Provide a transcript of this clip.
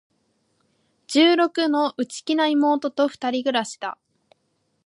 十六の、内気な妹と二人暮しだ。